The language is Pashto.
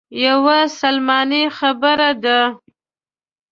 یوه سلماني خبرې دي.